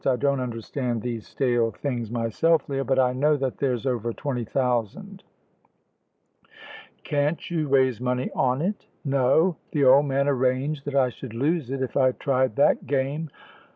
I don't understand these stale things myself, Leah, but I know that there's over twenty thousand." "Can't you raise money on it?" "No; the old man arranged that I should lose it if I tried that game.